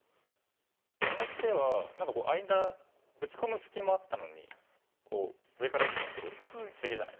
この手は何か間打ち込む隙もあったのに上から打ってきたのちょっと不思議じゃないですか？